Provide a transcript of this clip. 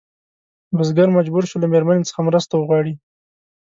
بزګر مجبور شو له مېرمنې څخه مرسته وغواړي.